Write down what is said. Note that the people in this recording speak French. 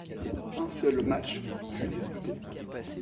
Un seul match fut disputé.